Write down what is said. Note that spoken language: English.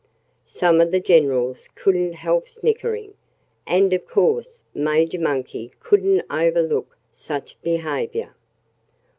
Some of the generals couldn't help snickering. And of course Major Monkey couldn't overlook such behavior.